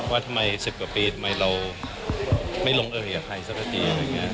ว่าทำไมสิบกว่าปีทำไมเราไม่ลงเอาให้ใครซักที